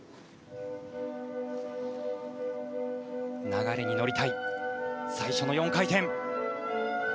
流れに乗りたい最初の４回転。